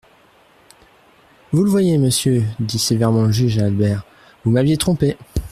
Vous le voyez, monsieur, dit sévèrement le juge à Albert, vous m'aviez trompé.